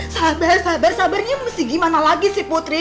sabar sabar sabarnya mesti gimana lagi sih putri